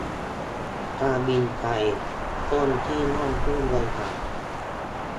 การบินไทย ปล้นที่นั่งผู้โดยสาร